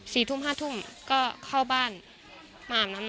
สี่ต้มห้าทุ่มก็เข้าบ้าน